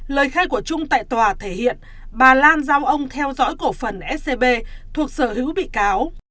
lời khai của trung tại tòa thể hiện bà lan giao ông theo dõi cổ phần scb thuộc sở hữu bị cáo